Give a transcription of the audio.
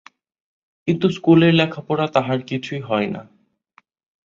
কিন্তু স্কুলের লেখাপড়া তাহার কিছুই হয় না।